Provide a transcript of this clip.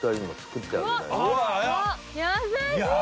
優しい！